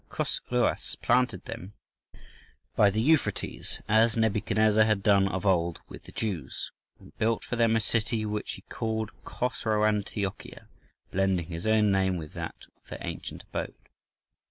Chosroës planted them by the Euphrates—as Nebuchadnezzar had done of old with the Jews—and built for them a city which he called Chosroantiocheia, blending his own name with that of their ancient abode.